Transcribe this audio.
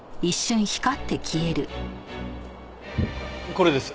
これです。